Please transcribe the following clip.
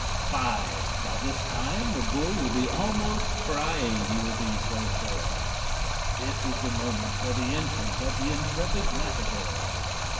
5. By this time, the bull will be almost crying he will be so sore. This is the moment for the entrance of the intrepid matador.